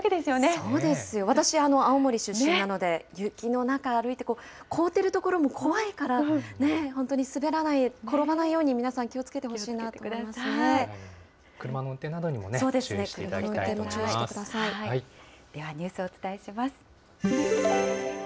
そうですよ、私、青森出身なので、雪の中歩いて、雪の中凍っている所、怖いから、本当に滑らない、転ばないように、皆さん気をつけてほしいなと思い車の運転などにもね、注意しではニュースをお伝えします。